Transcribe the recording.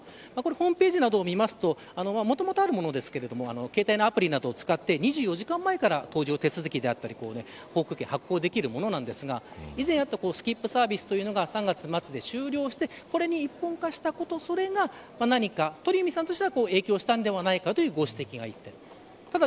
ホームページなどを見るともともとあるものですが携帯のアプリなどを使って２４時間前から搭乗手続きや航空券発行できるものなんですが以前あったスキップサービスが３月末で終了してこれに一本化したことそれが何か影響したのではないかというご指摘が１点。